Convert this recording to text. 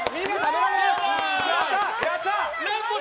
やったー！